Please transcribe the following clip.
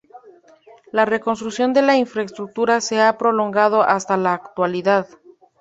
La reconstrucción de la infraestructura se ha prolongado hasta la actualidad.